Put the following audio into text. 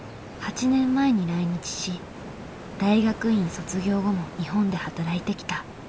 ８年前に来日し大学院卒業後も日本で働いてきた。